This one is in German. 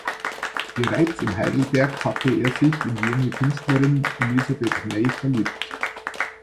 Bereits in Heidelberg hatte er sich in die junge Künstlerin Elisabet Ney verliebt.